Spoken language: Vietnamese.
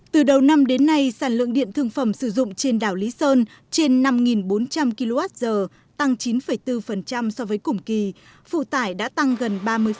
từ đầu năm đến nay sản lượng điện thương phẩm sử dụng trên đảo lý sơn trên năm bốn trăm linh kwh tăng chín bốn so với cùng kỳ phụ tải đã tăng gần ba mươi